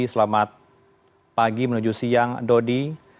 selamat pagi menuju siang dodi